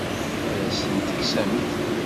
Ad as-ten-tekksemt?